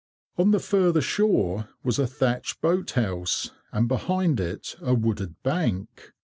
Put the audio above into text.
On the further shore was a thatched boat house, and behind it a wooded bank.